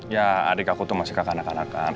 ya adik aku tuh masih kakak anak anak kan